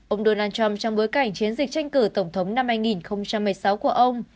ông donald trump trong bối cảnh chiến dịch tranh cử tổng thống năm hai nghìn một mươi sáu của ông